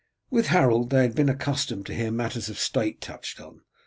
With Harold they had been accustomed to hear matters of state touched on.